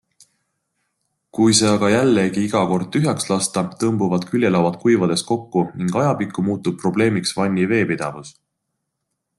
Kui see aga jällegi iga kord tühjaks lasta, tõmbuvad küljelauad kuivades kokku ning ajapikku muutub probleemiks vanni veepidavus.